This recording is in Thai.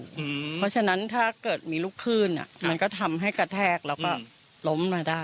เพราะฉะนั้นถ้าเกิดมีลูกขึ้นมันก็ทำให้กระแทกแล้วก็ล้มมาได้